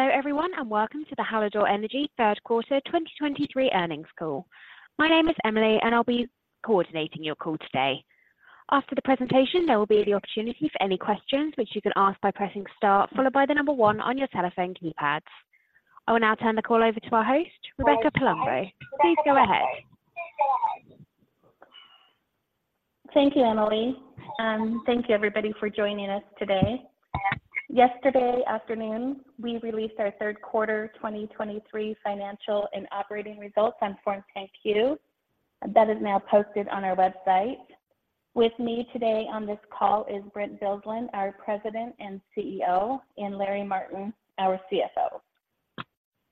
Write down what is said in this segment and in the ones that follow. Hello, everyone, and welcome to the Hallador Energy third quarter 2023 earnings call. My name is Emily, and I'll be coordinating your call today. After the presentation, there will be the opportunity for any questions, which you can ask by pressing star, followed by the number one on your telephone keypads. I will now turn the call over to our host, Rebecca Palumbo. Please go ahead. Thank you, Emily, thank you everybody for joining us today. Yesterday afternoon, we released our third quarter 2023 financial and operating results on Form 10-Q, and that is now posted on our website. With me today on this call is Brent Bilsland, our President and CEO, and Larry Martin, our CFO.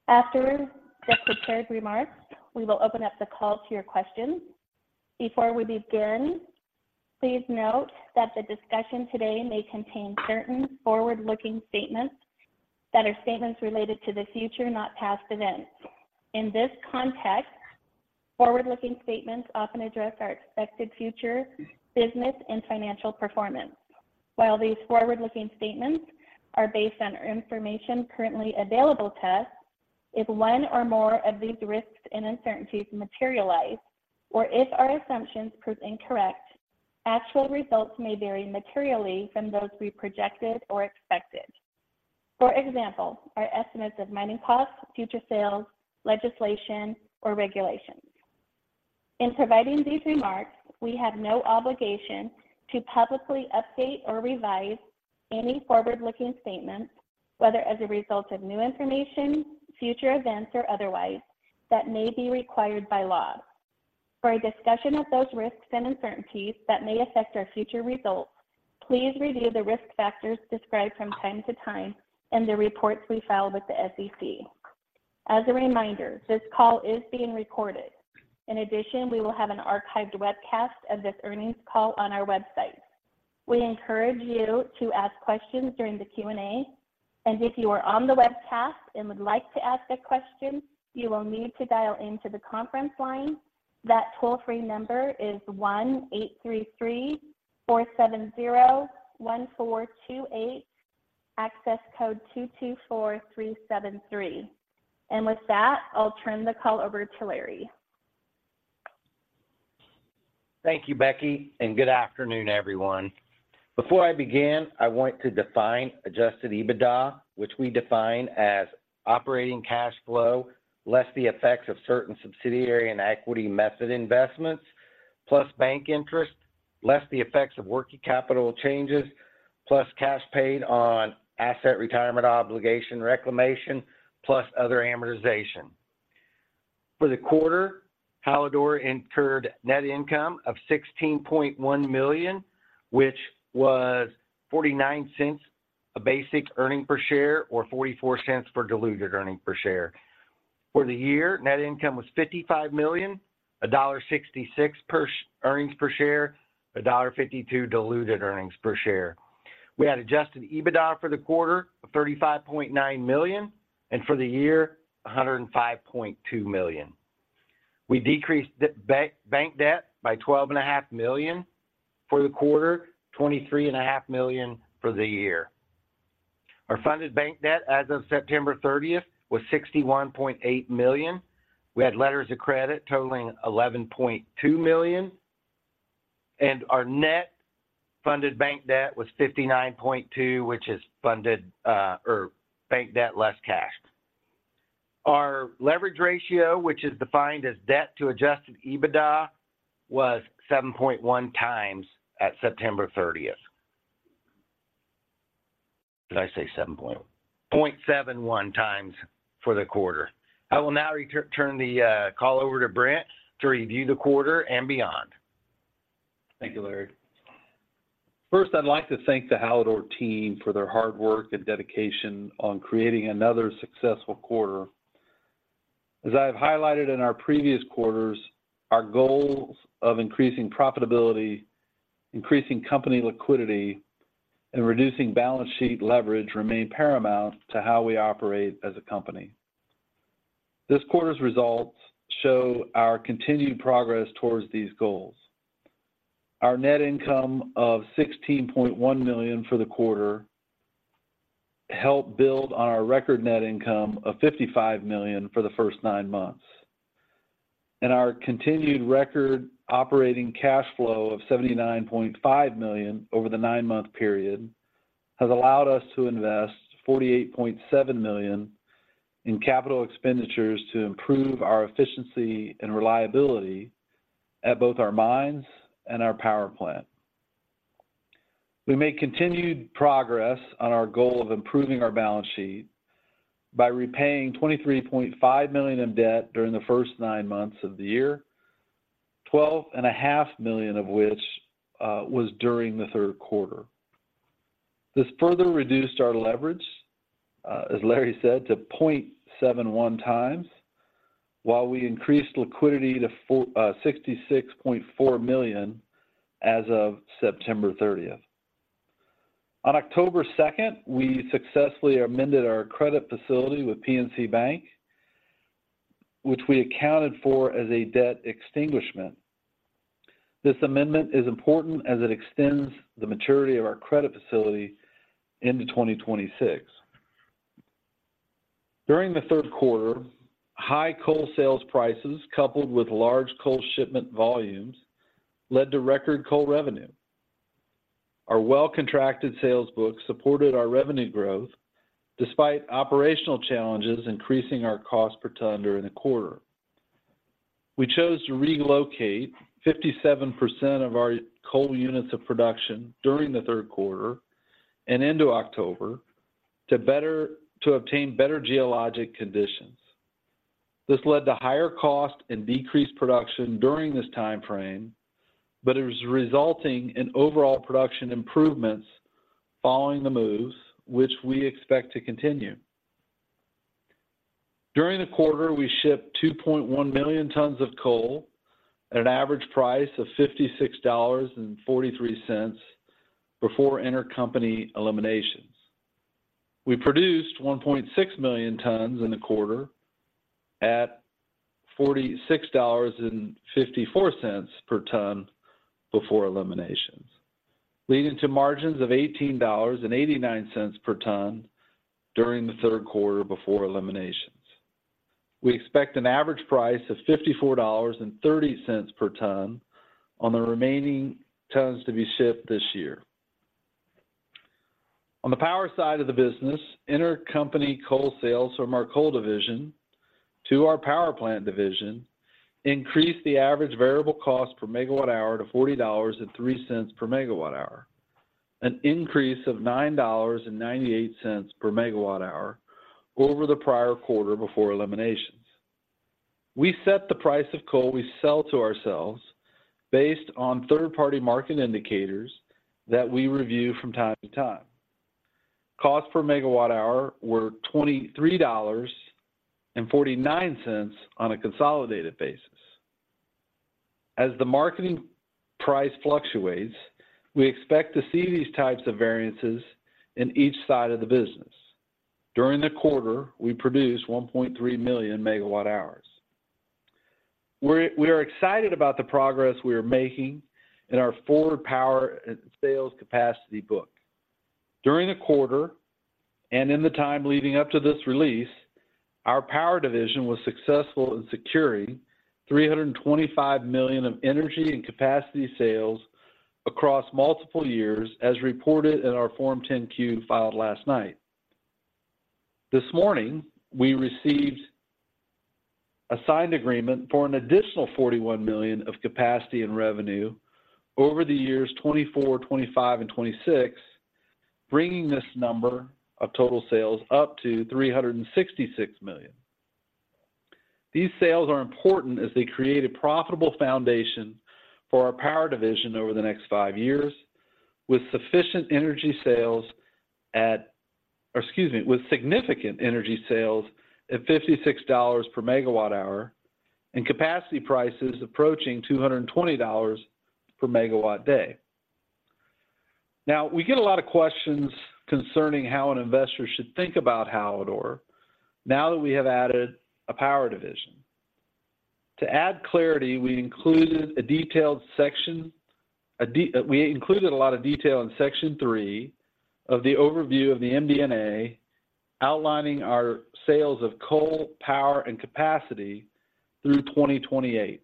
After just the prepared remarks, we will open up the call to your questions. Before we begin, please note that the discussion today may contain certain forward-looking statements that are statements related to the future, not past events. In this context, forward-looking statements often address our expected future business and financial performance. While these forward-looking statements are based on information currently available to us, if one or more of these risks and uncertainties materialize, or if our assumptions prove incorrect, actual results may vary materially from those we projected or expected. For example, our estimates of mining costs, future sales, legislation, or regulations. In providing these remarks, we have no obligation to publicly update or revise any forward-looking statements, whether as a result of new information, future events, or otherwise, that may be required by law. For a discussion of those risks and uncertainties that may affect our future results, please review the risk factors described from time to time in the reports we file with the SEC. As a reminder, this call is being recorded. In addition, we will have an archived webcast of this earnings call on our website. We encourage you to ask questions during the Q&A, and if you are on the webcast and would like to ask a question, you will need to dial into the conference line. That toll-free number is 1-833-470-1428, access code 224373. With that, I'll turn the call over to Larry. Thank you, Becky, and good afternoon, everyone. Before I begin, I want to define adjusted EBITDA, which we define as operating cash flow, less the effects of certain subsidiary and equity method investments, plus bank interest, less the effects of working capital changes, plus cash paid on asset retirement obligation reclamation, plus other amortization. For the quarter, Hallador incurred net income of $16.1 million, which was $0.49 basic earnings per share or $0.44 for diluted earnings per share. For the year, net income was $55 million, $1.66 per share earnings per share, $1.52 diluted earnings per share. We had adjusted EBITDA for the quarter of $35.9 million, and for the year, $105.2 million. We decreased the bank debt by $12.5 million for the quarter, $23.5 million for the year. Our funded bank debt as of September thirtieth was $61.8 million. We had letters of credit totaling $11.2 million, and our net funded bank debt was $59.2 million, which is funded or bank debt less cash. Our leverage ratio, which is defined as debt to adjusted EBITDA, was 7.1 times at September 30th. Did I say seven point? Point seven one times for the quarter. I will now return the call over to Brent to review the quarter and beyond. Thank you, Larry. First, I'd like to thank the Hallador team for their hard work and dedication on creating another successful quarter. As I have highlighted in our previous quarters, our goals of increasing profitability, increasing company liquidity, and reducing balance sheet leverage remain paramount to how we operate as a company. This quarter's results show our continued progress towards these goals. Our net income of $16.1 million for the quarter helped build on our record net income of $55 million for the first nine months. Our continued record operating cash flow of $79.5 million over the nine-month period has allowed us to invest $48.7 million in capital expenditures to improve our efficiency and reliability at both our mines and our power plant. We make continued progress on our goal of improving our balance sheet by repaying $23.5 million in debt during the first nine months of the year, $12.5 million of which was during the third quarter. This further reduced our leverage, as Larry said, to 0.71 times, while we increased liquidity to $66.4 million as of September 30th. On October 2nd, we successfully amended our credit facility with PNC Bank, which we accounted for as a debt extinguishment. This amendment is important as it extends the maturity of our credit facility into 2026. During the third quarter, high coal sales prices, coupled with large coal shipment volumes, led to record coal revenue. Our well-contracted sales book supported our revenue growth despite operational challenges, increasing our cost per ton during the quarter. We chose to relocate 57% of our coal units of production during the third quarter and into October to obtain better geologic conditions. This led to higher cost and decreased production during this time frame, but it was resulting in overall production improvements following the moves, which we expect to continue. During the quarter, we shipped 2.1 million tons of coal at an average price of $56.43 before intercompany eliminations. We produced 1.6 million tons in the quarter at $46.54 per ton before eliminations, leading to margins of $18.89 per ton during the third quarter before eliminations. We expect an average price of $54.30 per ton on the remaining tons to be shipped this year. On the power side of the business, intercompany coal sales from our coal division to our power plant division increased the average variable cost per megawatt hour to $40.03 per megawatt hour, an increase of $9.98 per megawatt hour over the prior quarter before eliminations. We set the price of coal we sell to ourselves based on third-party market indicators that we review from time to time. Cost per megawatt hour were $23.49 on a consolidated basis. As the marketing price fluctuates, we expect to see these types of variances in each side of the business. During the quarter, we produced 1.3 million megawatt hours. We are excited about the progress we are making in our forward power and sales capacity book. During the quarter, and in the time leading up to this release, our power division was successful in securing $325 million of energy and capacity sales across multiple years, as reported in our Form 10-Q filed last night. This morning, we received a signed agreement for an additional $41 million of capacity and revenue over the years 2024, 2025 and 2026, bringing this number of total sales up to $366 million. These sales are important as they create a profitable foundation for our power division over the next five years, with sufficient energy sales at... Or excuse me, with significant energy sales at $56 per MWh and capacity prices approaching $220 per MW-day. Now, we get a lot of questions concerning how an investor should think about Hallador, now that we have added a power division. To add clarity, we included a detailed section. We included a lot of detail in Section 3 of the overview of the MD&A, outlining our sales of coal, power, and capacity through 2028.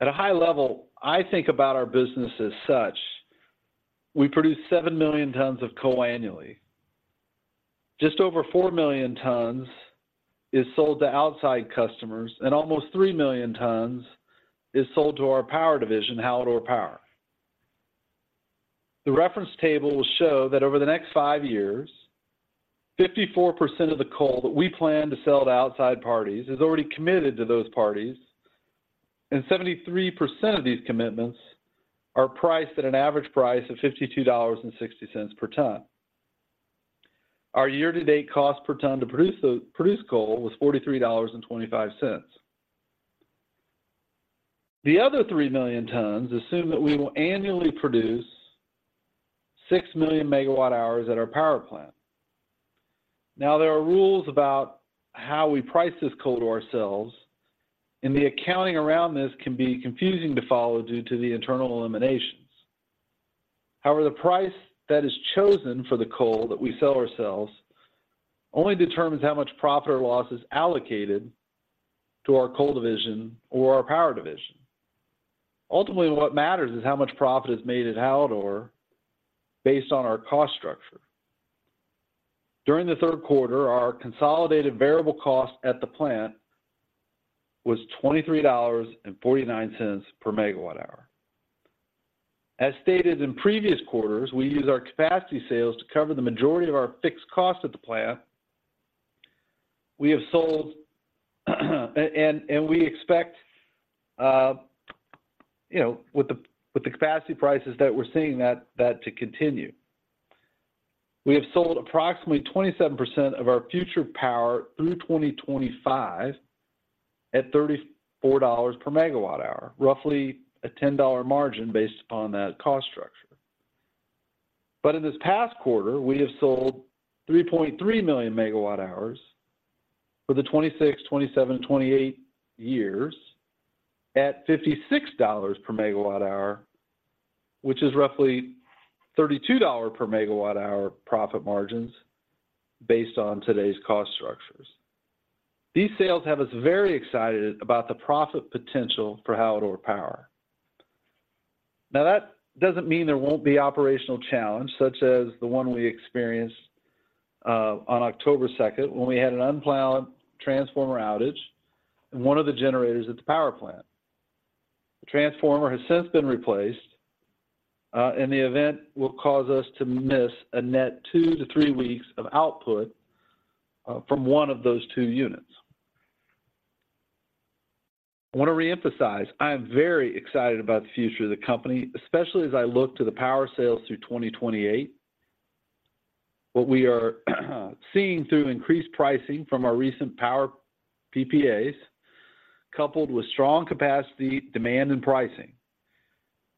At a high level, I think about our business as such: we produce 7 million tons of coal annually. Just over 4 million tons is sold to outside customers, and almost 3 million tons is sold to our power division, Hallador Power. The reference table will show that over the next five years, 54% of the coal that we plan to sell to outside parties is already committed to those parties, and 73% of these commitments are priced at an average price of $52.60 per ton. Our year-to-date cost per ton to produce coal was $43.25. The other 3 million tons assume that we will annually produce 6 million MWh at our power plant. Now, there are rules about how we price this coal to ourselves, and the accounting around this can be confusing to follow due to the internal eliminations. However, the price that is chosen for the coal that we sell ourselves only determines how much profit or loss is allocated to our coal division or our power division. Ultimately, what matters is how much profit is made at Hallador based on our cost structure. During the third quarter, our consolidated variable cost at the plant was $23.49 per MWh. As stated in previous quarters, we use our capacity sales to cover the majority of our fixed costs at the plant. We have sold, and we expect, you know, with the capacity prices that we're seeing, that to continue. We have sold approximately 27% of our future power through 2025 at $34 per megawatt hour, roughly a $10 margin based upon that cost structure. But in this past quarter, we have sold 3.3 million megawatt hours for the 2026, 2027, 2028 years at $56 per megawatt hour, which is roughly $32 per megawatt hour profit margins based on today's cost structures. These sales have us very excited about the profit potential for Hallador Power. Now, that doesn't mean there won't be operational challenge, such as the one we experienced on October second, when we had an unplanned transformer outage in one of the generators at the power plant. The transformer has since been replaced, and the event will cause us to miss a net 2-3 weeks of output from one of those two units. I want to reemphasize, I am very excited about the future of the company, especially as I look to the power sales through 2028. What we are seeing through increased pricing from our recent power PPAs, coupled with strong capacity, demand, and pricing.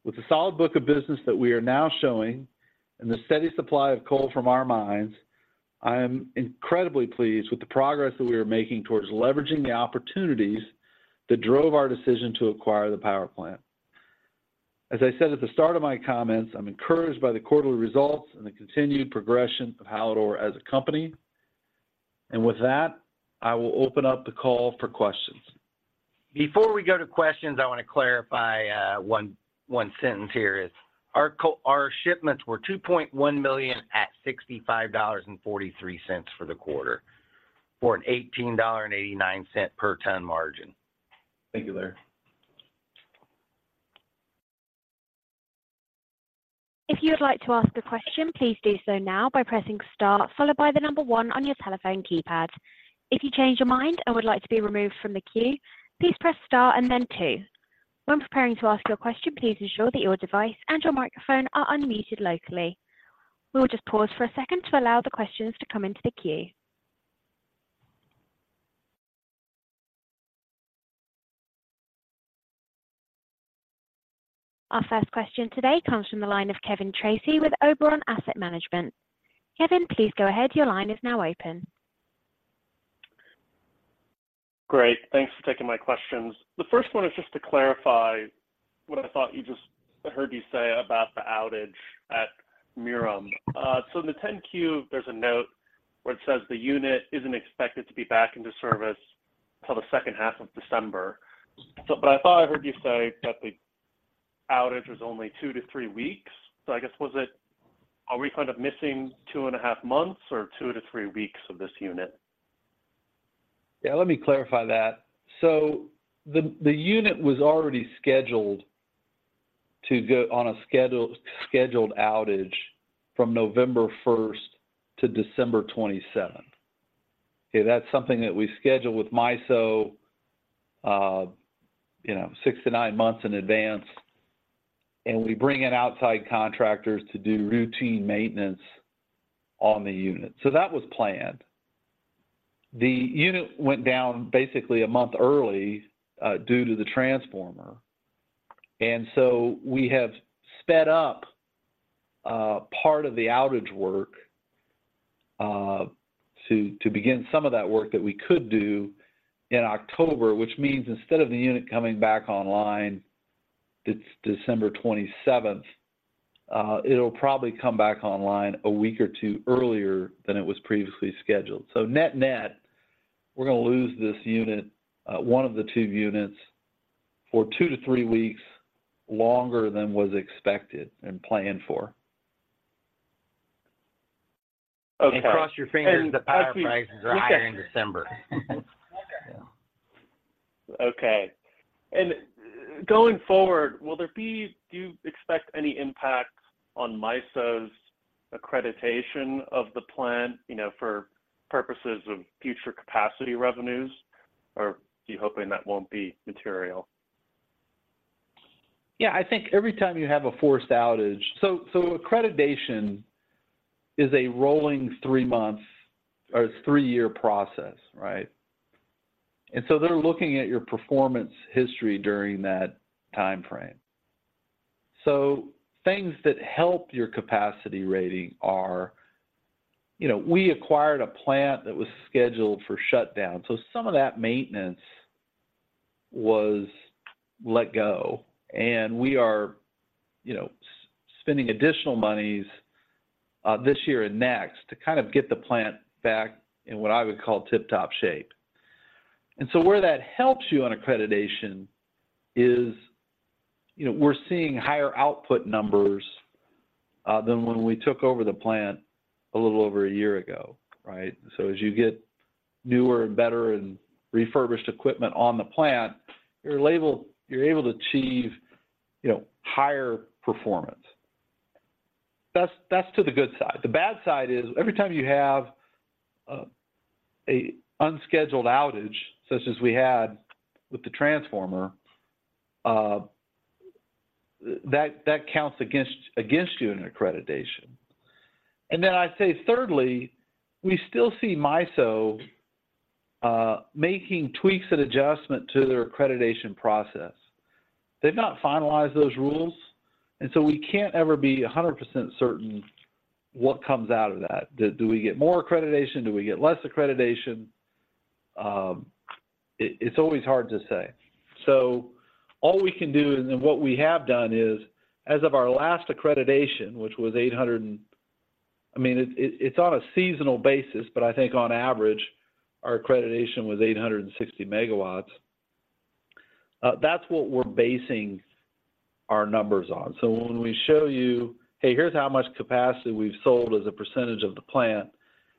With the solid book of business that we are now showing and the steady supply of coal from our mines, I am incredibly pleased with the progress that we are making towards leveraging the opportunities that drove our decision to acquire the power plant. As I said at the start of my comments, I'm encouraged by the quarterly results and the continued progression of Hallador as a company. And with that, I will open up the call for questions. Before we go to questions, I want to clarify one sentence here. Our coal shipments were 2.1 million at $65.43 for the quarter, for an $18.89 per ton margin. Thank you, Larry. If you would like to ask a question, please do so now by pressing star, followed by the number one on your telephone keypad. If you change your mind and would like to be removed from the queue, please press star and then two. When preparing to ask your question, please ensure that your device and your microphone are unmuted locally. We will just pause for a second to allow the questions to come into the queue. Our first question today comes from the line of Kevin Tracey with Oberon Asset Management. Kevin, please go ahead. Your line is now open. Great. Thanks for taking my questions. The first one is just to clarify what I thought you just... I heard you say about the outage at Merom. So, in the 10-Q, there's a note where it says, "The unit isn't expected to be back into service till the second half of December." So, but I thought I heard you say that the outage was only 2-3 weeks. So I guess, was it, are we kind of missing 2.5 months or 2-3 weeks of this unit? Yeah, let me clarify that. So the unit was already scheduled to go on a scheduled outage from November 1st to December 27th. Okay. That's something that we schedule with MISO, you know, 6 months to 9 months in advance, and we bring in outside contractors to do routine maintenance on the unit. So that was planned. The unit went down basically a month early due to the transformer, and so we have sped up part of the outage work to begin some of that work that we could do in October, which means instead of the unit coming back online, it's December 27th, it'll probably come back online a week or two earlier than it was previously scheduled. Net-net, we're gonna lose this unit, 1 of the 2 units for 2-3 weeks longer than was expected and planned for. Okay. Cross your fingers the power prices are higher in December. Okay. And going forward, do you expect any impact on MISO's accreditation of the plant, you know, for purposes of future capacity revenues, or are you hoping that won't be material? Yeah, I think every time you have a forced outage... So, so accreditation is a rolling three-month or a three-year process, right? And so they're looking at your performance history during that time frame. So things that help your capacity rating are, you know, we acquired a plant that was scheduled for shutdown, so some of that maintenance was let go, and we are, you know, spending additional monies this year and next to kind of get the plant back in what I would call tip-top shape. And so where that helps you on accreditation is, you know, we're seeing higher output numbers than when we took over the plant a little over a year ago, right? So as you get newer and better and refurbished equipment on the plant, you're able to achieve, you know, higher performance. That's, that's to the good side. The bad side is every time you have a unscheduled outage, such as we had with the transformer, that counts against you in accreditation. And then I'd say thirdly, we still see MISO making tweaks and adjustment to their accreditation process. They've not finalized those rules, and so we can't ever be 100% certain what comes out of that. Do we get more accreditation? Do we get less accreditation? It's always hard to say. So all we can do, and what we have done is, as of our last accreditation, which was 800 and, I mean, it's on a seasonal basis, but I think on average, our accreditation was 860 MW. That's what we're basing our numbers on. So when we show you, "Hey, here's how much capacity we've sold as a percentage of the plant,"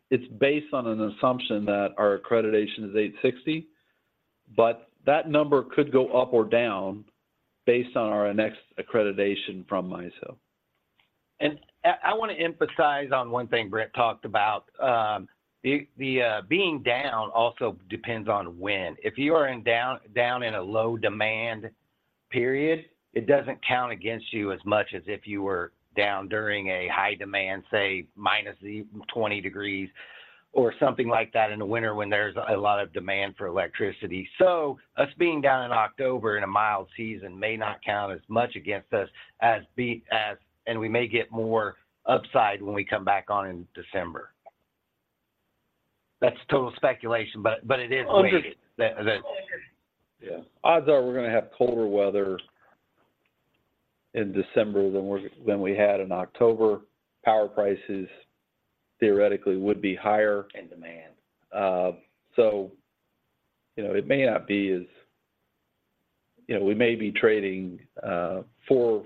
it's based on an assumption that our accreditation is 860, but that number could go up or down based on our next accreditation from MISO. I want to emphasize on one thing Brent talked about. The being down also depends on when. If you are down in a low demand period, it doesn't count against you as much as if you were down during a high demand, say, minus 20 degrees or something like that in the winter when there's a lot of demand for electricity. So us being down in October in a mild season may not count as much against us as. And we may get more upside when we come back on in December. That's total speculation, but it is... Understood. That, that. Yeah. Odds are we're going to have colder weather in December than we had in October. Power prices theoretically would be higher... And demand So, you know, it may not be as, you know, we may be trading four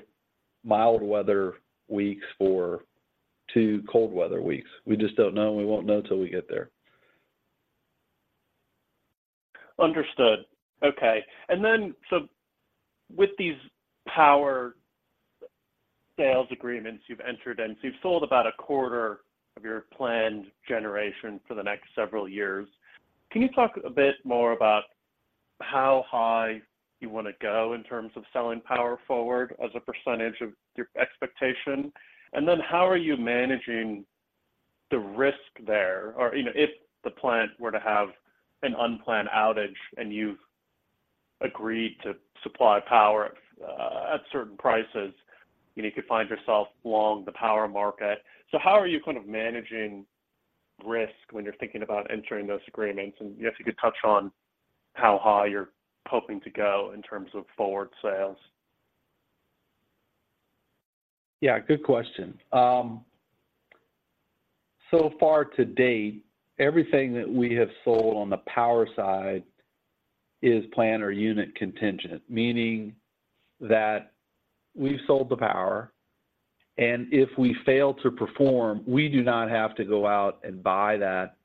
mild weather weeks for two cold weather weeks. We just don't know, and we won't know till we get there. Understood. Okay. And then, so with these power sales agreements you've entered in, so you've sold about a quarter of your planned generation for the next several years. Can you talk a bit more about how high you want to go in terms of selling power forward as a percentage of your expectation? And then, how are you managing the risk there, or, you know, if the plant were to have an unplanned outage, and you've agreed to supply power, at certain prices, you know, you could find yourself long the power market. So how are you kind of managing risk when you're thinking about entering those agreements? And if you could touch on how high you're hoping to go in terms of forward sales. Yeah, good question. So far to date, everything that we have sold on the power side is plant or unit contingent, meaning that we've sold the power, and if we fail to perform, we do not have to go out and buy that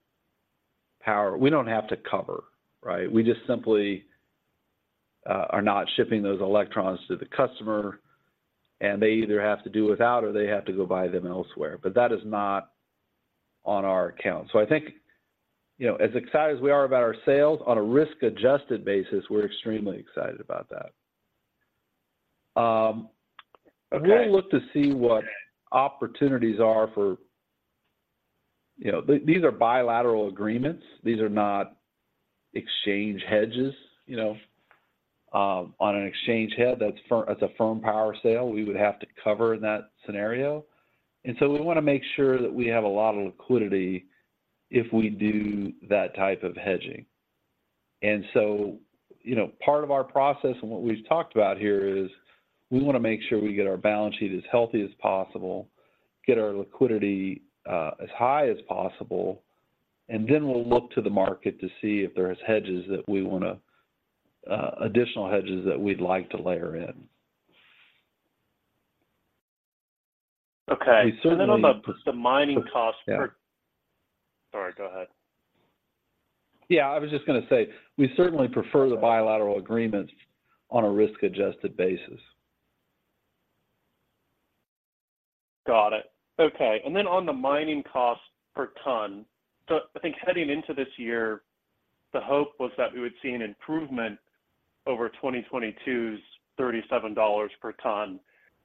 power. We don't have to cover, right? We just simply are not shipping those electrons to the customer, and they either have to do without, or they have to go buy them elsewhere. But that is not on our account. So I think, you know, as excited as we are about our sales, on a risk-adjusted basis, we're extremely excited about that. Okay. We'll look to see what opportunities are for... You know, these are bilateral agreements. These are not exchange hedges, you know. On an exchange hedge, that's firm, that's a firm power sale, we would have to cover in that scenario. And so we want to make sure that we have a lot of liquidity if we do that type of hedging. And so, you know, part of our process and what we've talked about here is we want to make sure we get our balance sheet as healthy as possible, get our liquidity as high as possible, and then we'll look to the market to see if there is hedges that we want to additional hedges that we'd like to layer in. Okay. We certainly... And then on the mining cost per- Yeah. Sorry, go ahead. Yeah, I was just going to say, we certainly prefer the bilateral agreements on a risk-adjusted basis. Got it. Okay, and then on the mining cost per ton, so I think heading into this year, the hope was that we would see an improvement over 2022's $37 per ton.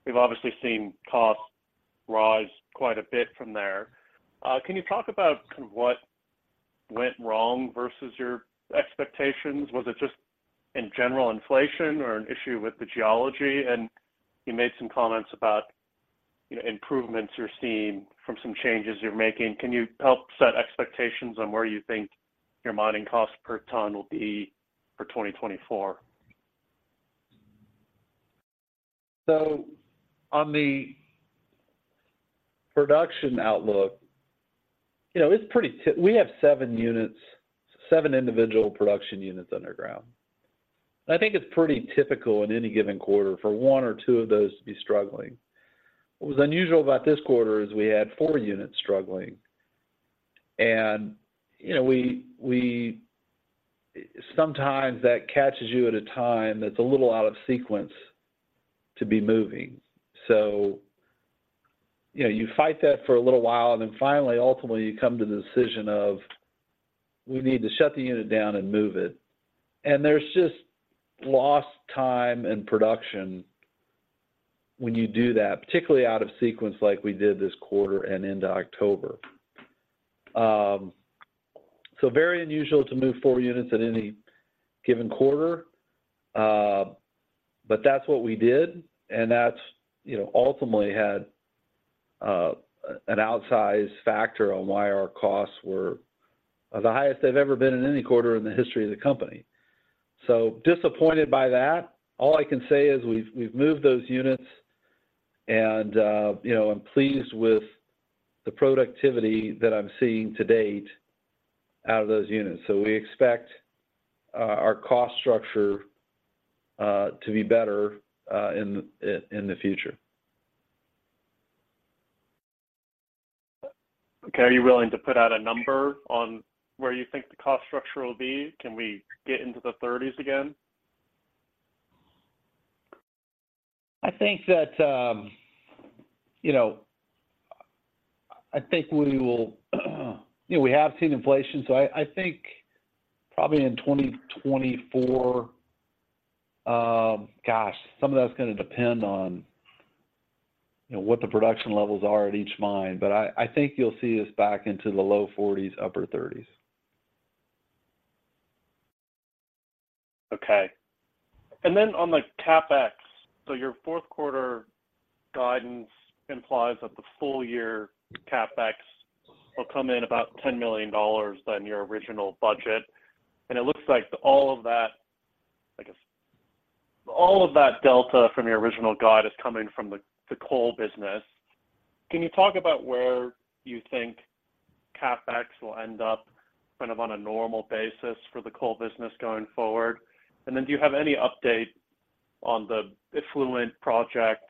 We've obviously seen costs rise quite a bit from there. Can you talk about kind of what went wrong versus your expectations? Was it just in general inflation or an issue with the geology? And you made some comments about, you know, improvements you're seeing from some changes you're making. Can you help set expectations on where you think your mining cost per ton will be for 2024? So on the production outlook, you know, it's pretty typical. We have seven units, seven individual production units underground. I think it's pretty typical in any given quarter for one or two of those to be struggling. What was unusual about this quarter is we had four units struggling, and, you know, we sometimes that catches you at a time that's a little out of sequence to be moving. So, you know, you fight that for a little while, and then finally, ultimately, you come to the decision of, we need to shut the unit down and move it. And there's just lost time and production... when you do that, particularly out of sequence like we did this quarter and into October. So very unusual to move four units at any given quarter, but that's what we did, and that's, you know, ultimately had an outsized factor on why our costs were the highest they've ever been in any quarter in the history of the company. So disappointed by that. All I can say is we've moved those units and, you know, I'm pleased with the productivity that I'm seeing to date out of those units. So we expect our cost structure to be better in the future. Okay. Are you willing to put out a number on where you think the cost structure will be? Can we get into the 30s again? I think that, you know, I think we will... You know, we have seen inflation, so I, I think probably in 2024, gosh, some of that's gonna depend on, you know, what the production levels are at each mine. But I, I think you'll see us back into the low 40s, upper 30s. Okay. And then on the CapEx, so your fourth quarter guidance implies that the full year CapEx will come in about $10 million than your original budget. And it looks like all of that, I guess, all of that delta from your original guide is coming from the, the coal business. Can you talk about where you think CapEx will end up kind of on a normal basis for the coal business going forward? And then, do you have any update on the effluent project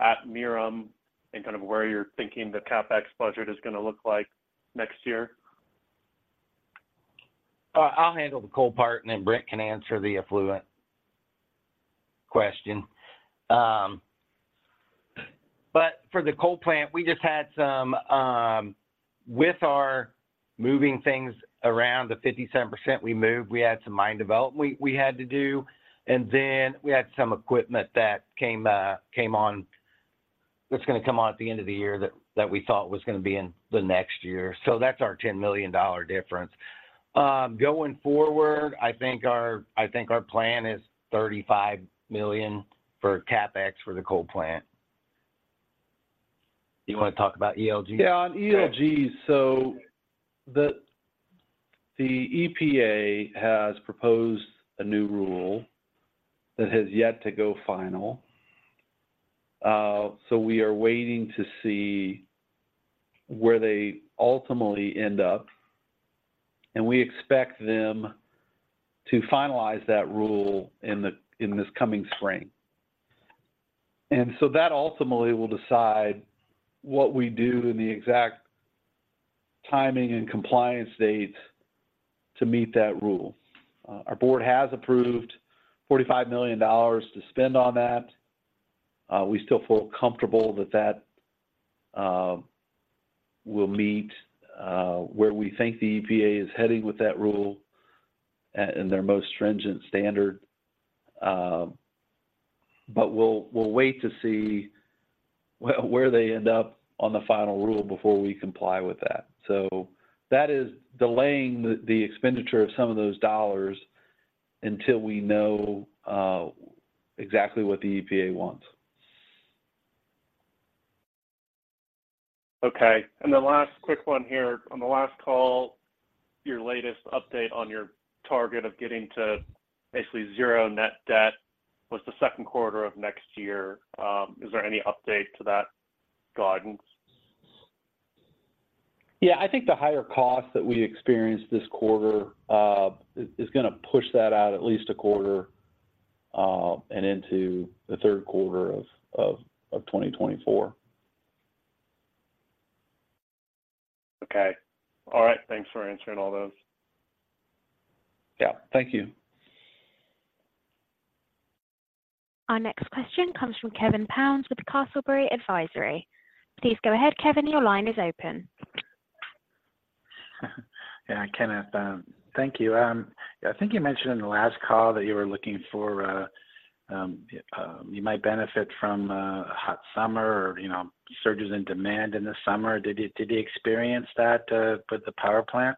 at Merom, and kind of where you're thinking the CapEx budget is gonna look like next year? I'll handle the coal part, and then Brent can answer the effluent question. But for the coal plant, we just had some with our moving things around, the 57% we moved, we had some mine development we had to do, and then we had some equipment that came on- that's gonna come on at the end of the year, that we thought was gonna be in the next year. So that's our $10 million difference. Going forward, I think our plan is $35 million for CapEx for the coal plant. Do you want to talk about ELGs? Yeah, on ELGs. Okay. So the EPA has proposed a new rule that has yet to go final. So we are waiting to see where they ultimately end up, and we expect them to finalize that rule in this coming spring. And so that ultimately will decide what we do and the exact timing and compliance date to meet that rule. Our board has approved $45 million to spend on that. We still feel comfortable that will meet where we think the EPA is heading with that rule and their most stringent standard. But we'll wait to see where they end up on the final rule before we comply with that. So that is delaying the expenditure of some of those dollars until we know exactly what the EPA wants. Okay, and the last quick one here. On the last call, your latest update on your target of getting to basically zero net debt was the second quarter of next year. Is there any update to that guidance? Yeah, I think the higher cost that we experienced this quarter is gonna push that out at least a quarter and into the third quarter of 2024. Okay. All right. Thanks for answering all those. Yeah. Thank you. Our next question comes from Kenneth Pounds with Castlebury Advisory. Please go ahead, Kevin. Your line is open. Yeah, Kevin, thank you. I think you mentioned in the last call that you were looking for, you might benefit from a hot summer or, you know, surges in demand in the summer. Did you experience that with the power plant?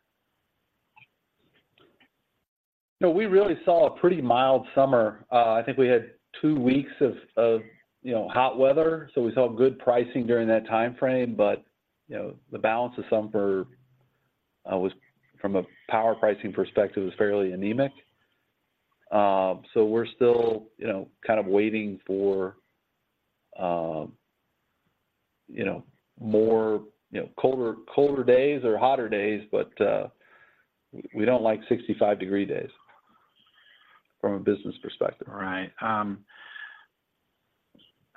No, we really saw a pretty mild summer. I think we had two weeks of, you know, hot weather, so we saw good pricing during that time frame. But, you know, the balance of summer was from a power pricing perspective, was fairly anemic. So we're still, you know, kind of waiting for, you know, more, you know, colder, colder days or hotter days, but we don't like 65-degree days from a business perspective. Right.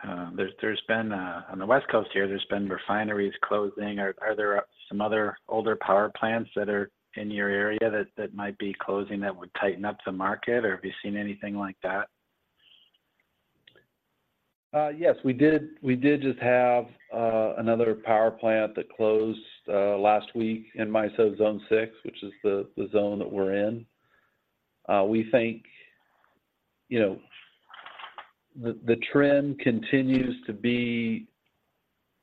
On the West Coast here, there's been refineries closing. Are there some other older power plants that are in your area that might be closing that would tighten up the market, or have you seen anything like that? Yes, we did. We did just have another power plant that closed last week in MISO Zone Six, which is the zone that we're in. We think, you know, the trend continues to be,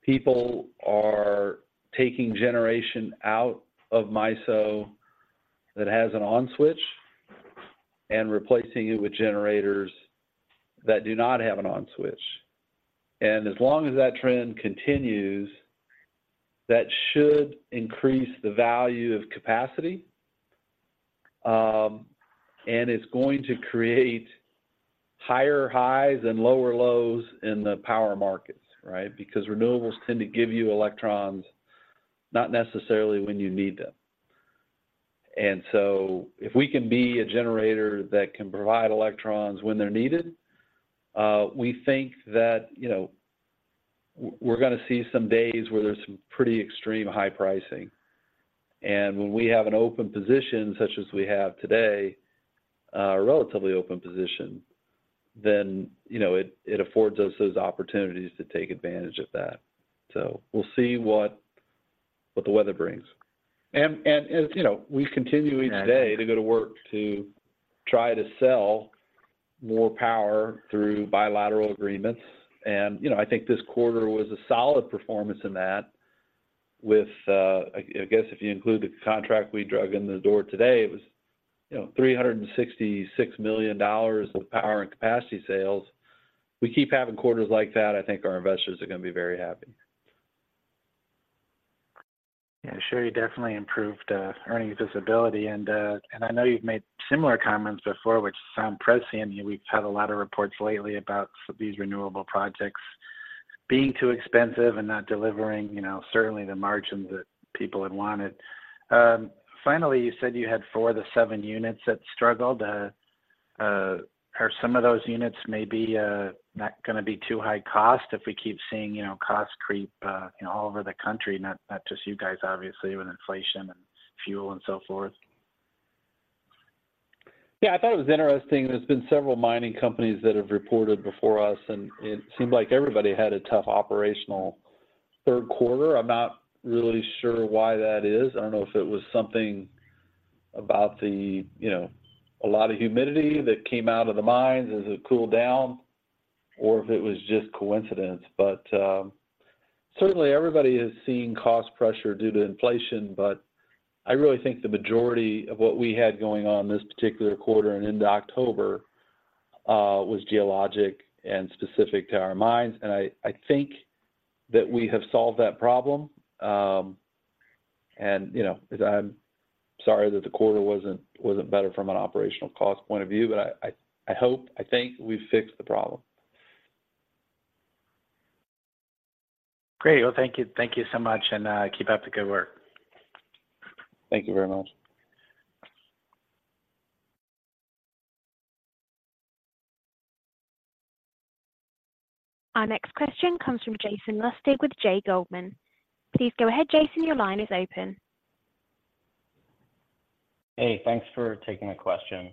people are taking generation out of MISO that has an on switch, and replacing it with generators that do not have an on switch. As long as that trend continues, that should increase the value of capacity. It's going to create higher highs and lower lows in the power markets, right? Because renewables tend to give you electrons, not necessarily when you need them. So if we can be a generator that can provide electrons when they're needed, we think that, you know, we're gonna see some days where there's some pretty extreme high pricing. When we have an open position, such as we have today, a relatively open position, then, you know, it affords us those opportunities to take advantage of that. So we'll see what the weather brings. As you know, we continue each day to go to work to try to sell more power through bilateral agreements. You know, I think this quarter was a solid performance in that with I guess if you include the contract we drug in the door today, it was, you know, $366 million of power and capacity sales. We keep having quarters like that, I think our investors are gonna be very happy. Yeah, sure, you definitely improved earnings visibility. And I know you've made similar comments before, which sound prescient. We've had a lot of reports lately about these renewable projects being too expensive and not delivering, you know, certainly the margins that people had wanted. Finally, you said you had four of the seven units that struggled. Are some of those units maybe not gonna be too high cost if we keep seeing, you know, costs creep, you know, all over the country? Not just you guys, obviously, with inflation and fuel and so forth. Yeah, I thought it was interesting. There's been several mining companies that have reported before us, and it seemed like everybody had a tough operational third quarter. I'm not really sure why that is. I don't know if it was something about the, you know, a lot of humidity that came out of the mines as it cooled down, or if it was just coincidence. But certainly everybody is seeing cost pressure due to inflation, but I really think the majority of what we had going on this particular quarter and into October was geologic and specific to our mines. And I think that we have solved that problem. And, you know, I'm sorry that the quarter wasn't better from an operational cost point of view, but I hope, I think we've fixed the problem. Great. Well, thank you. Thank you so much, and keep up the good work. Thank you very much. Our next question comes from Jason Lustig with J. Goldman. Please go ahead, Jason, your line is open. Hey, thanks for taking the question.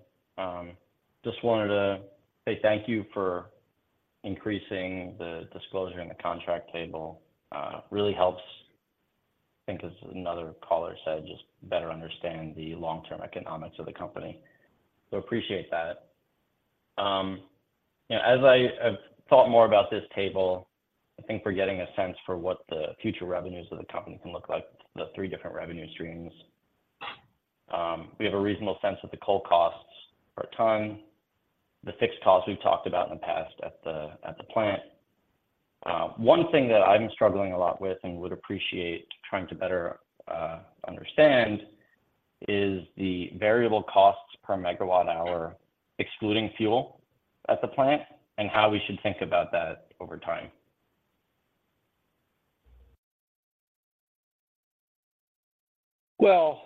Just wanted to say thank you for increasing the disclosure in the contract table, really helps. I think as another caller said, just better understand the long-term economics of the company. So appreciate that. You know, as I have thought more about this table, I think we're getting a sense for what the future revenues of the company can look like, the three different revenue streams. We have a reasonable sense of the coal costs per ton, the fixed costs we've talked about in the past at the, at the plant. One thing that I'm struggling a lot with and would appreciate trying to better understand is the variable costs per megawatt hour, excluding fuel at the plant, and how we should think about that over time. Well,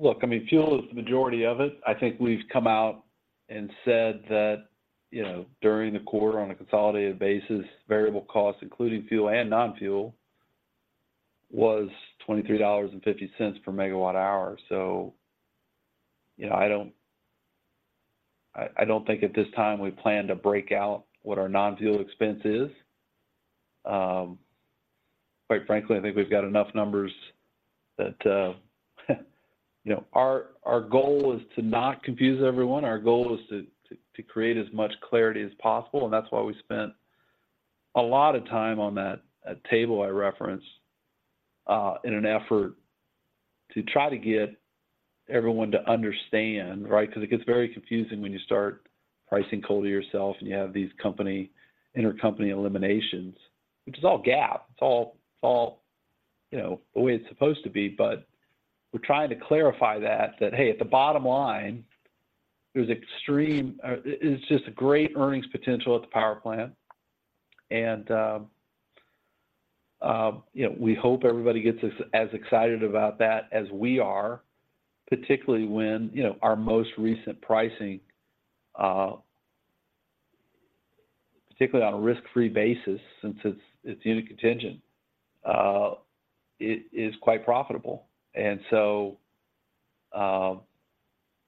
look, I mean, fuel is the majority of it. I think we've come out and said that, you know, during the quarter, on a consolidated basis, variable costs, including fuel and non-fuel, was $23.50 per MWh. So, you know, I don't think at this time we plan to break out what our non-fuel expense is. Quite frankly, I think we've got enough numbers that, you know, our goal is to not confuse everyone. Our goal is to create as much clarity as possible, and that's why we spent a lot of time on that table I referenced in an effort to try to get everyone to understand, right? Because it gets very confusing when you start pricing coal to yourself and you have these company intercompany eliminations, which is all GAAP. It's all, it's all, you know, the way it's supposed to be, but we're trying to clarify that, hey, at the bottom line, there's extreme... It's just a great earnings potential at the power plant. And, you know, we hope everybody gets as excited about that as we are, particularly when, you know, our most recent pricing, particularly on a risk-free basis, since it's unit contingent, it is quite profitable. And so,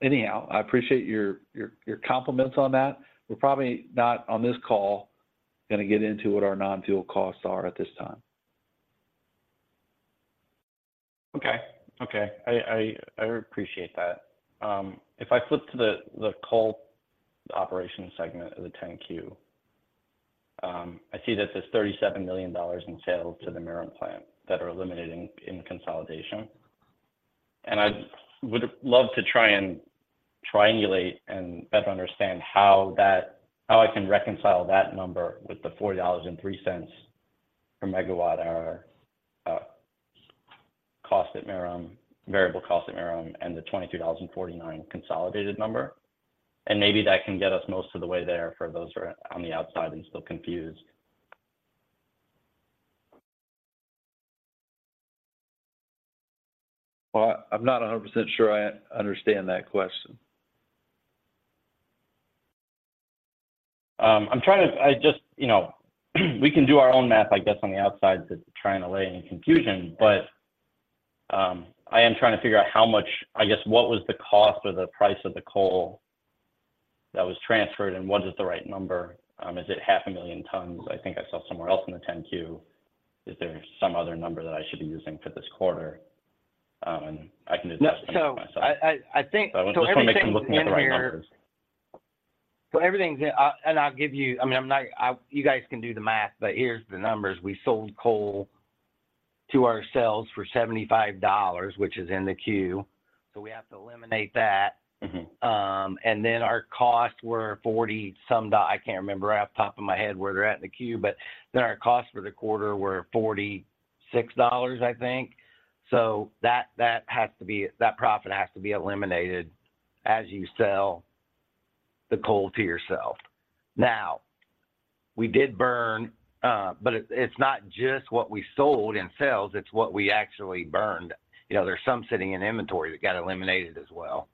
anyhow, I appreciate your compliments on that. We're probably not, on this call, gonna get into what our non-fuel costs are at this time. Okay, okay. I appreciate that. If I flip to the coal operations segment of the 10-Q, I see that there's $37 million in sales to the Merom plant that are eliminated in consolidation. And I would love to try and triangulate and better understand how that, how I can reconcile that number with the $40.03 per megawatt hour cost at Merom, variable cost at Merom, and the 23,049 consolidated number. And maybe that can get us most of the way there for those who are on the outside and still confused. Well, I'm not 100% sure I understand that question. I'm trying to... I just, you know, we can do our own math, I guess, on the outside to triangulate any confusion. But, I am trying to figure out how much, I guess, what was the cost or the price of the coal that was transferred, and was it the right number? Is it 500,000 tons? I think I saw somewhere else in the 10-Q. Is there some other number that I should be using for this quarter? And I can just... No. So I think... I just want to make sure I'm looking at the right numbers. So everything's in, and I'll give you... I mean, I'm not, you guys can do the math, but here's the numbers. We sold coal to ourselves for $75, which is in the Q, so we have to eliminate that. Mm-hmm. And then our costs were 40-some doll- I can't remember off the top of my head where they're at in the Q, but then our costs for the quarter were $46, I think. So that, that has to be, that profit has to be eliminated as you sell the coal to yourself. Now, we did burn, but it, it's not just what we sold in sales, it's what we actually burned. You know, there's some sitting in inventory that got eliminated as well.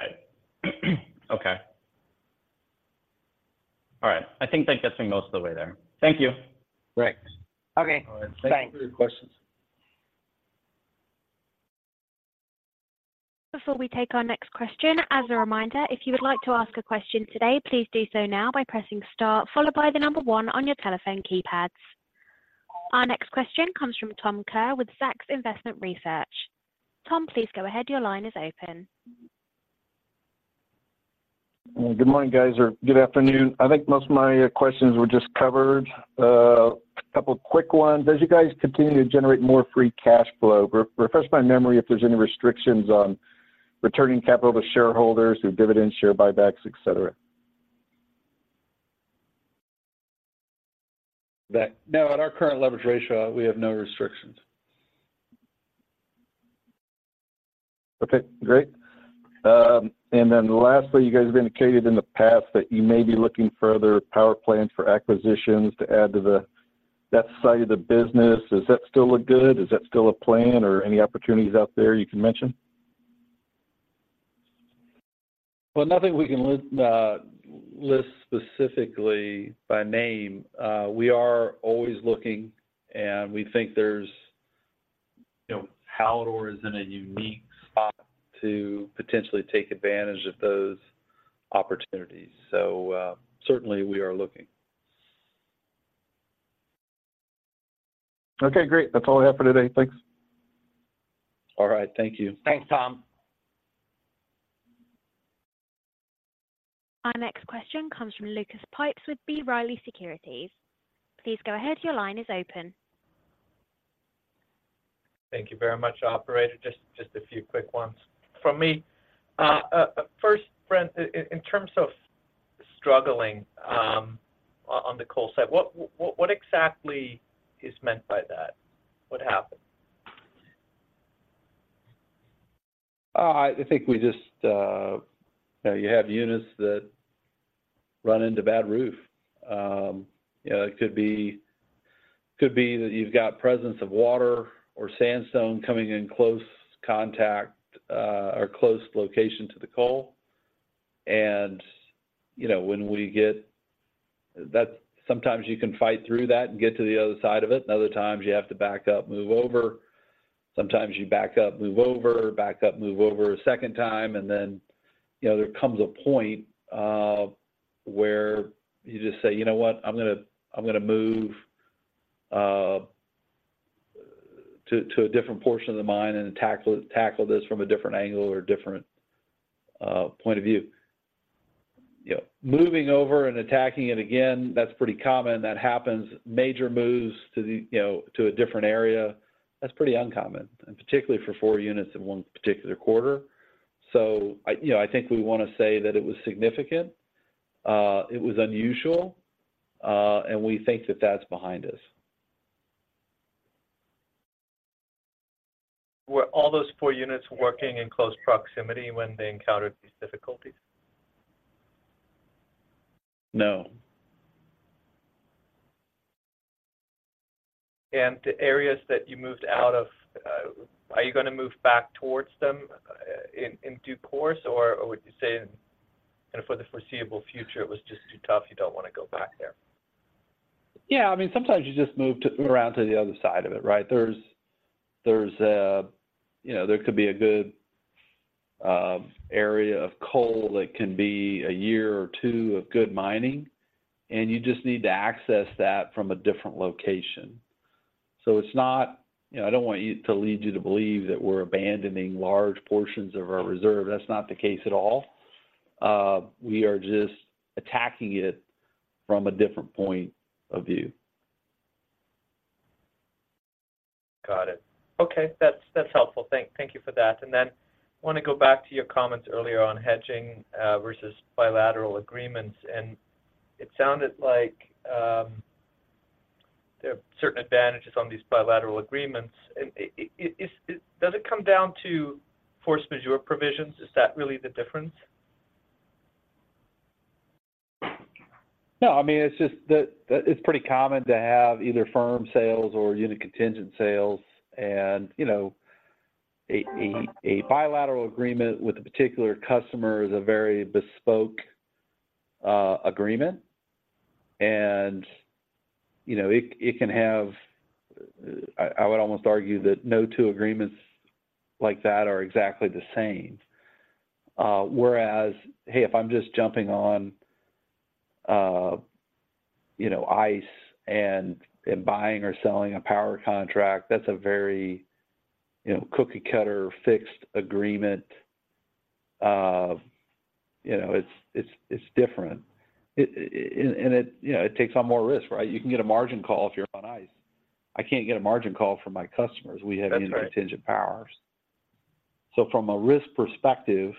Right. Okay. All right. I think that gets me most of the way there. Thank you. Great. Okay, thanks. All right. Thank you for your questions. Before we take our next question, as a reminder, if you would like to ask a question today, please do so now by pressing star, followed by the number one on your telephone keypads. Our next question comes from Tom Kerr with Zacks Investment Research. Tom, please go ahead. Your line is open. Well, good morning, guys, or good afternoon. I think most of my questions were just covered. A couple quick ones. As you guys continue to generate more free cash flow, re-refresh my memory if there's any restrictions on returning capital to shareholders through dividends, share buybacks, et cetera. No, at our current leverage ratio, we have no restrictions. Okay, great. And then lastly, you guys have indicated in the past that you may be looking for other power plants for acquisitions to add to the, that side of the business. Does that still look good? Is that still a plan or any opportunities out there you can mention? Well, nothing we can list specifically by name. We are always looking, and we think there's, you know, Hallador is in a unique spot to potentially take advantage of those opportunities. So, certainly, we are looking. Okay, great. That's all I have for today. Thanks. All right, thank you. Thanks, Tom. Our next question comes from Lucas Pipes with B. Riley Securities. Please go ahead. Your line is open. Thank you very much, operator. Just a few quick ones from me. First, Brent, in terms of struggling, on the coal side, what exactly is meant by that? What happened? I think we just, you know, you have units that run into bad roof. You know, it could be, could be that you've got presence of water or sandstone coming in close contact, or close location to the coal. And, you know, when we get... That's sometimes you can fight through that and get to the other side of it, and other times you have to back up, move over. Sometimes you back up, move over, back up, move over a second time, and then, you know, there comes a point, where you just say, "You know what? I'm gonna, I'm gonna move, to, to a different portion of the mine and tackle, tackle this from a different angle or different, point of view." You know, moving over and attacking it again, that's pretty common. That happens. Major moves to the, you know, to a different area, that's pretty uncommon, and particularly for four units in one particular quarter. So I, you know, I think we wanna say that it was significant, it was unusual, and we think that that's behind us. Were all those four units working in close proximity when they encountered these difficulties? No. The areas that you moved out of, are you gonna move back towards them in due course, or would you say, you know, for the foreseeable future, it was just too tough, you don't wanna go back there? Yeah, I mean, sometimes you just move around to the other side of it, right? There's a, you know, there could be a good area of coal that can be a year or two of good mining, and you just need to access that from a different location. So it's not, you know, I don't want you, to lead you to believe that we're abandoning large portions of our reserve. That's not the case at all. We are just attacking it from a different point of view. Got it. Okay, that's helpful. Thank you for that. And then I wanna go back to your comments earlier on hedging versus bilateral agreements, and it sounded like there are certain advantages on these bilateral agreements. And is, does it come down to force majeure provisions? Is that really the difference? No, I mean, it's just that it's pretty common to have either firm sales or unit contingent sales. And, you know, a bilateral agreement with a particular customer is a very bespoke agreement. And, you know, it can have, I would almost argue that no two agreements like that are exactly the same. Whereas, hey, if I'm just jumping on, you know, ICE and buying or selling a power contract, that's a very, you know, cookie-cutter fixed agreement. You know, it's different. And it, you know, it takes on more risk, right? You can get a margin call if you're on ICE. I can't get a margin call from my customers. That's right. We have unit contingent powers. So from a risk perspective,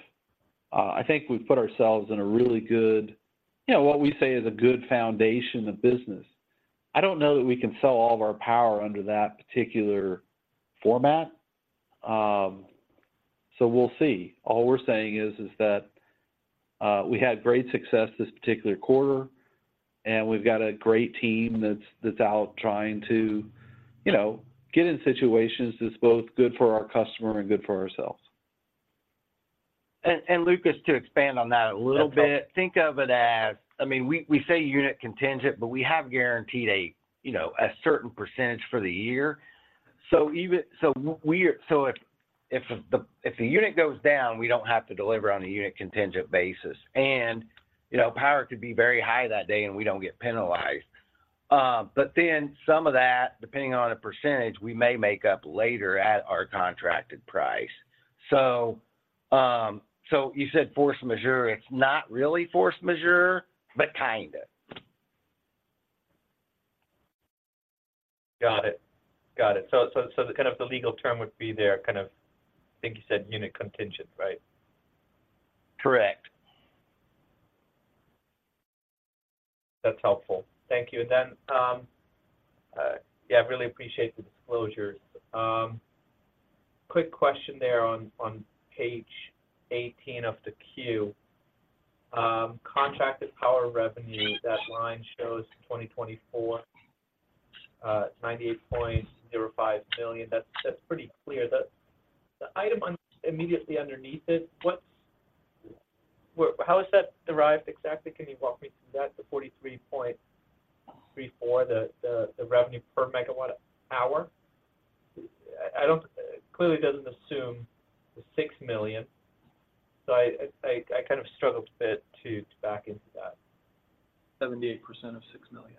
I think we've put ourselves in a really good, you know, what we say is a good foundation of business. I don't know that we can sell all of our power under that particular format, so we'll see. All we're saying is that we had great success this particular quarter, and we've got a great team that's out trying to, you know, get in situations that's both good for our customer and good for ourselves. And, Lucas, to expand on that a little bit- Yeah, totally. Think of it as... I mean, we say unit contingent, but we have guaranteed, you know, a certain percentage for the year. So even if the unit goes down, we don't have to deliver on a unit contingent basis. And, you know, power could be very high that day, and we don't get penalized. But then some of that, depending on the percentage, we may make up later at our contracted price. So you said force majeure. It's not really force majeure, but kinda. Got it. Got it. So, the kind of the legal term would be there, kind of, I think you said unit contingent, right? Correct. That's helpful. Thank you. And then, I really appreciate the disclosures. Quick question there on page 18 of the Q. Contracted power revenue, that line shows 2024, $98.05 million. That's pretty clear. The item immediately underneath it, how is that derived exactly? Can you walk me through that, the $43.34, the revenue per megawatt hour? I don't... It clearly doesn't assume the $6 million, so I kind of struggled a bit to back into that. 78% of 6 million.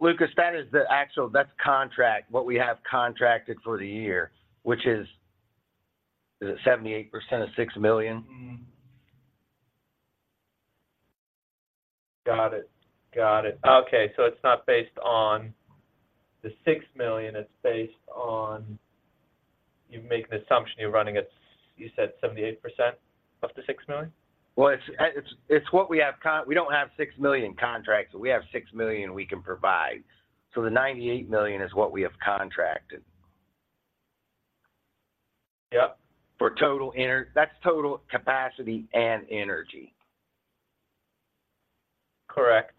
Lucas, that is the actual... That's contract, what we have contracted for the year, which is 78% of 6 million? Mm-hmm. Got it. Got it. Okay, so it's not based on the 6 million, it's based on, you're making the assumption you're running it, you said 78% of the 6 million? Well, it's what we have. We don't have 6 million contracts, but we have 6 million we can provide. So the 98 million is what we have contracted. Yep. For total, that's total capacity and energy. Correct.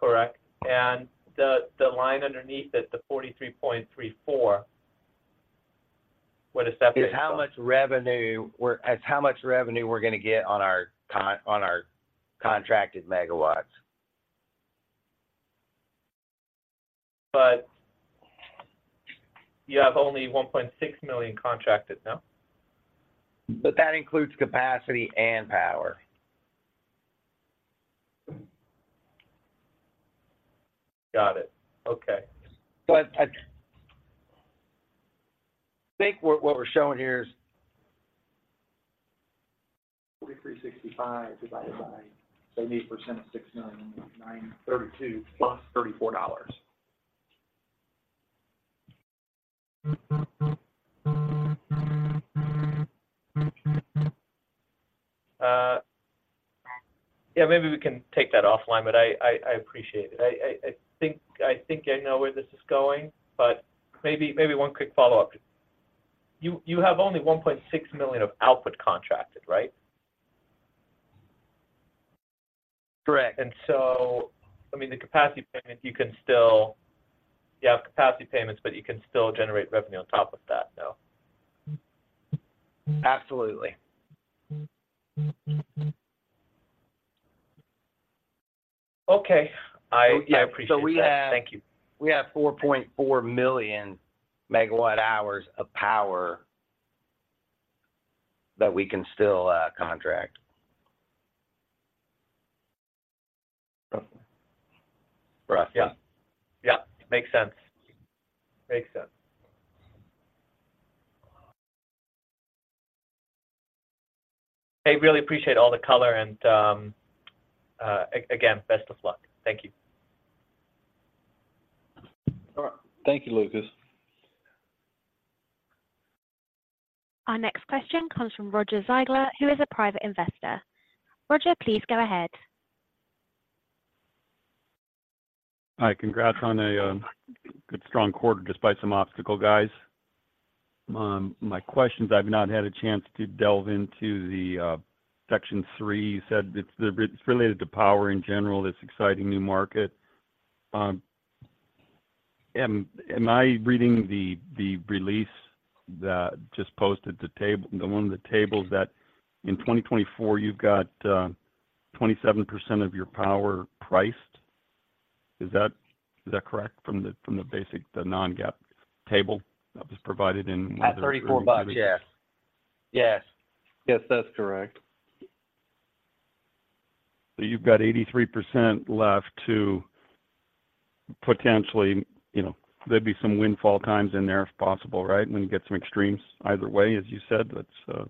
Correct. And the line underneath it, the 43.34, what is that based on? It's how much revenue we're gonna get on our contracted megawatts. But you have only $1.6 million contracted, no? But that includes capacity and power. Got it. Okay. I think what we're showing here is- $4,365 divided by 78% of $6,000,932 plus $34. Yeah, maybe we can take that offline, but I appreciate it. I think I know where this is going, but maybe one quick follow-up. You have only $1.6 million of output contracted, right? Correct. And so, I mean, the capacity payments, you can still... You have capacity payments, but you can still generate revenue on top of that, though? Absolutely. Okay, I appreciate that. So we have... Thank you. We have 4.4 million megawatt hours of power that we can still contract. Okay. For us, yeah. Yeah, makes sense. Makes sense. I really appreciate all the color and, again, best of luck. Thank you. All right. Thank you, Lucas. Our next question comes from Roger Ziegler, who is a private investor. Roger, please go ahead. Hi. Congrats on a good strong quarter despite some obstacle, guys. My question is I've not had a chance to delve into the section three. You said it's the, it's related to power in general, this exciting new market. Am I reading the release that just posted the table, the one of the tables that in 2024, you've got 27% of your power priced? Is that correct, from the basic, the non-GAAP table that was provided in- At $34? Yes. Yes. Yes, that's correct. So you've got 83% left to potentially, you know, there'd be some windfall times in there if possible, right? When you get some extremes either way, as you said, that's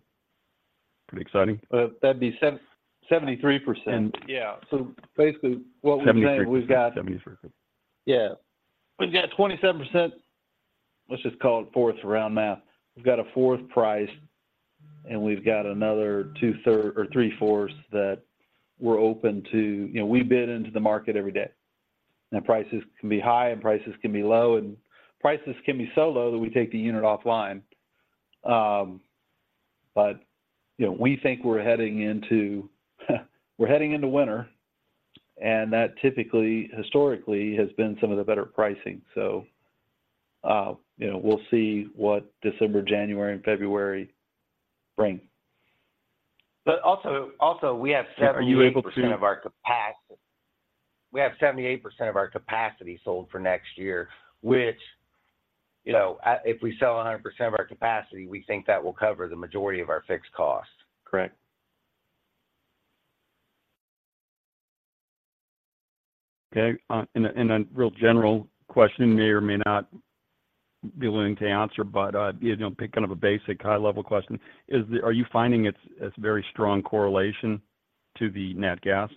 pretty exciting. That'd be 77%. Yeah. So basically, what... Seventy-three We've got... Seventy-three percent. Yeah. We've got 27%, let's just call it fourths, round math. We've got a fourth price, and we've got another two-thirds or three-fourths that we're open to. You know, we bid into the market every day, and prices can be high, and prices can be low, and prices can be so low that we take the unit offline. But, you know, we think we're heading into, we're heading into winter, and that typically, historically, has been some of the better pricing. So, you know, we'll see what December, January, and February bring. But also, we have... Are you able to.... 78% of our capacity. We have 78% of our capacity sold for next year, which, you know, if we sell 100% of our capacity, we think that will cover the majority of our fixed costs. Correct. Okay, and a real general question, you may or may not be willing to answer, but, you know, pick kind of a basic high-level question: Is the— Are you finding it's very strong correlation to the nat gas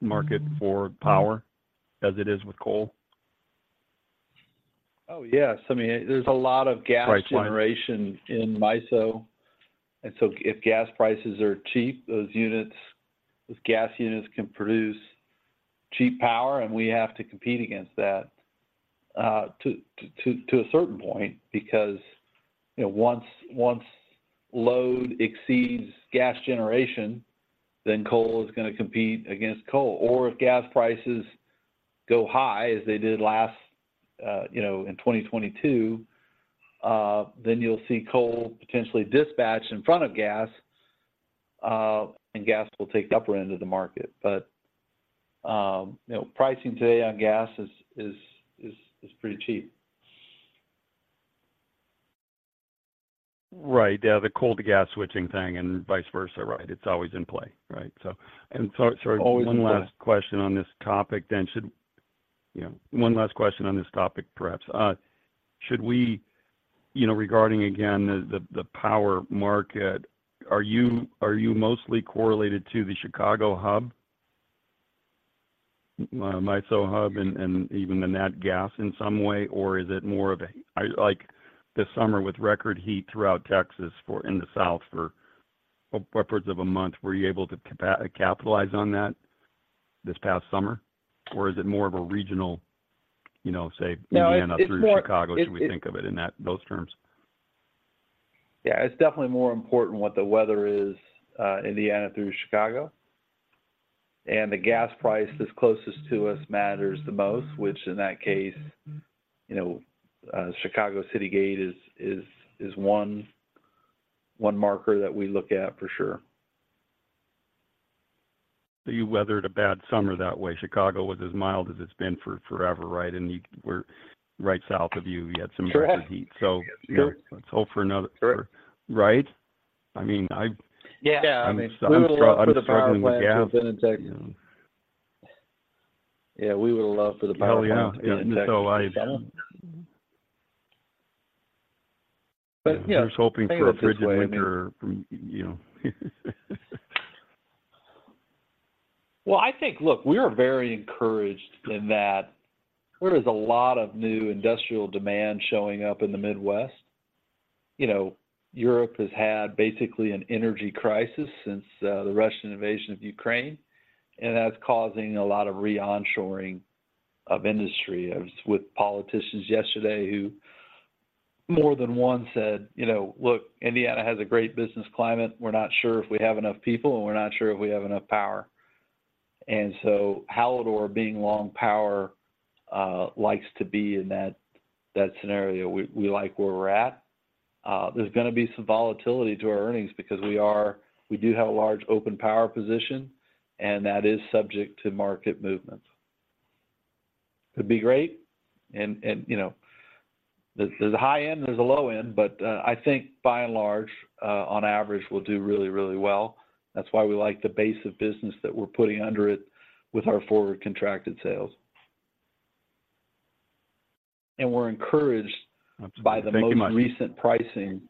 market for power as it is with coal? Oh, yes. I mean, there's a lot of gas... Price point. Generation in MISO, and so if gas prices are cheap, those units, those gas units can produce cheap power, and we have to compete against that to a certain point, because, you know, once load exceeds gas generation, then coal is gonna compete against coal. Or if gas prices go high, as they did last, you know, in 2022, then you'll see coal potentially dispatched in front of gas, and gas will take the upper end of the market. But, you know, pricing today on gas is pretty cheap. Right. Yeah, the coal-to-gas switching thing and vice versa, right? It's always in play, right? So and so... Always in play. One last question on this topic, perhaps. You know, should we, you know, regarding again, the power market, are you mostly correlated to the Chicago hub, MISO hub, and even the nat gas in some way? Or is it more of a—like, this summer with record heat throughout Texas in the south for upwards of a month, were you able to capitalize on that this past summer, or is it more of a regional, you know, say, Indiana... No, it's more... Through Chicago? Should we think of it in that, those terms? Yeah, it's definitely more important what the weather is, Indiana through Chicago. The gas price that's closest to us matters the most, which in that case, you know, Chicago Citygate is one marker that we look at for sure. So you weathered a bad summer that way. Chicago was as mild as it's been for forever, right? And you were right south of you. You had some... Correct. Heat. So let's hope for another- Correct. Right? I mean, Yeah. Yeah, I mean, we would love for the power plant- I'm struggling with gas. Yeah, we would've loved for the power plant. Hell, yeah. So I... But, yeah. Just hoping for a frigid winter, you know. Well, I think, look, we are very encouraged in that there is a lot of new industrial demand showing up in the Midwest. You know, Europe has had basically an energy crisis since the Russian invasion of Ukraine, and that's causing a lot of re-onshoring of industry. I was with politicians yesterday, who more than one said: "You know, look, Indiana has a great business climate. We're not sure if we have enough people, and we're not sure if we have enough power." And so Hallador being long power likes to be in that scenario. We like where we're at. There's gonna be some volatility to our earnings because we do have a large open power position, and that is subject to market movements. It'd be great, and you know, there's a high end, and there's a low end, but I think by and large, on average, we'll do really, really well. That's why we like the base of business that we're putting under it with our forward contracted sales. And we're encouraged... Absolutely. Thank you much. By the most recent pricing.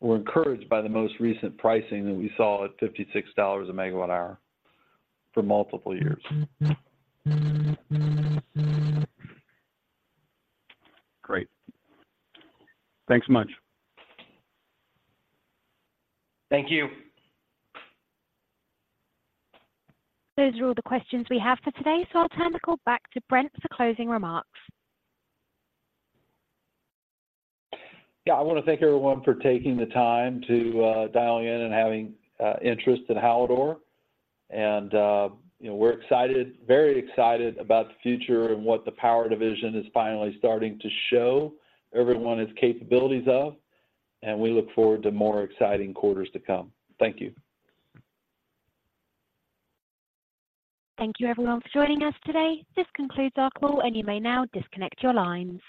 We're encouraged by the most recent pricing that we saw at $56 a megawatt hour for multiple years. Great. Thanks much. Thank you. Those are all the questions we have for today, so I'll turn the call back to Brent for closing remarks. Yeah, I want to thank everyone for taking the time to dial in and having interest in Hallador. And you know, we're excited, very excited about the future and what the power division is finally starting to show everyone its capabilities of, and we look forward to more exciting quarters to come. Thank you. Thank you, everyone, for joining us today. This concludes our call, and you may now disconnect your lines.